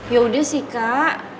yaudah sih kak